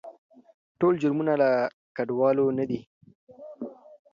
ټول جرمونه له کډوالو نه دي.